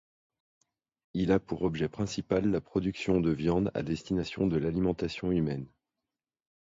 Il a pour objet principal la production de viande à destination de l'alimentation humaine.